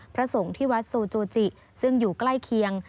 พระสงฆ์ที่วัดโซโจจิซึ่งอยู่ใกล้เคียง